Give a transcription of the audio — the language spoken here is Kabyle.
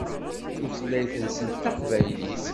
Tutlayt-nsent d taqbaylit.